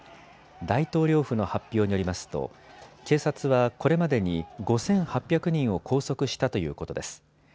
大統領府の発表によりますと警察はこれまでに５８００人を拘束したということです。